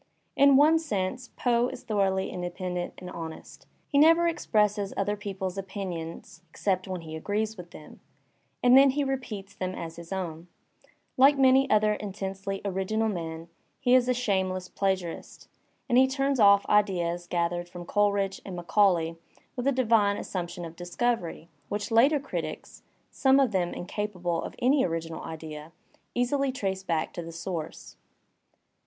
In one sense Poe is thoroughly independent and honest. He never expresses other people*s opinions except when he agrees with them, and then he repeats them as his own; like many other in tensely original men he is a shameless plagiarist, and he turns off ideas gathered from Coleridge and Macaulay with a divine assumption of discovery, which later critics (some of them incapable of any original idea) easily trace back to the source.